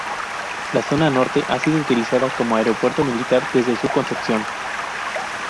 La zona norte ha sido utilizada como aeropuerto militar desde su concepción.